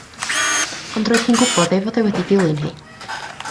Ond roedd hi'n gwybod ei fod e wedi'i dilyn hi.